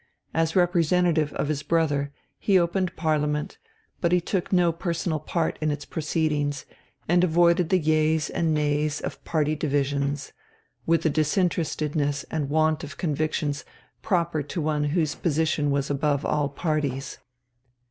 As representative of his brother, he opened Parliament, but he took no personal part in its proceedings and avoided the yeas and nays of party divisions with the disinterestedness and want of convictions proper to one whose position was above all parties.